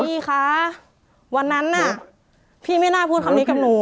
พี่คะวันนั้นน่ะพี่ไม่น่าพูดคำนี้กับหนู